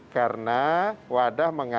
karena wada mengatakan